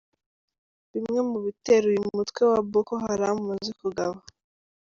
Bimwe mu bitero uyu mutwe wa Boko Haram umaze kugaba.